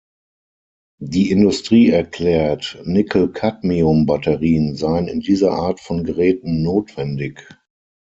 Die Industrie erklärt, Nickel-Kadmium-Batterien seien in dieser Art von Geräten notwendig.